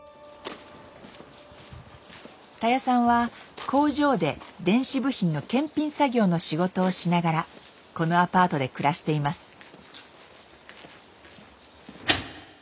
たやさんは工場で電子部品の検品作業の仕事をしながらこのアパートで暮らしています。